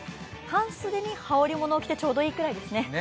半袖に羽織り物を着てちょうどいいぐらいですね。